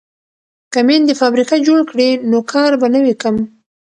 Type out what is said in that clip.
که میندې فابریکه جوړ کړي نو کار به نه وي کم.